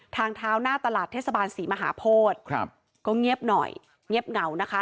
ทางเท้าหน้าตลาดเทศบาลศรีมหาโพธิครับก็เงียบหน่อยเงียบเหงานะคะ